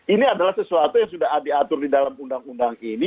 ini adalah sesuatu yang sudah diatur di dalam undang undang ini